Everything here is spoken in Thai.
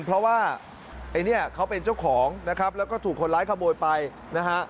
เพราะว่าไอ้เนี่ยเขาเป็นเจ้าของนะครับแล้วก็ถูกคนร้ายขโมยไปนะฮะ